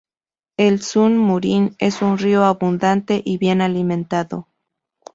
El Zun-Murín es un río abundante y bien alimentado.